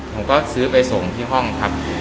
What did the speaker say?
ผมก็ซื้อไปส่งที่ห้องครับ